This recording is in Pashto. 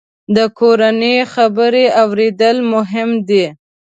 د کورنۍ خبرې اورېدل مهم دي.